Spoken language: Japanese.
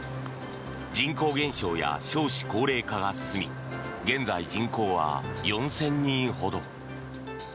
人口減少や少子高齢化が進み現在、人口は４０００人ほど。